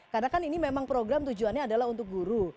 karena kan ini memang program tujuannya adalah untuk guru